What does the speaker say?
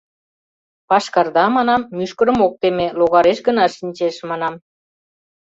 «Пашкарда, — манам, — мӱшкырым ок теме, логареш гына шинчеш, — манам».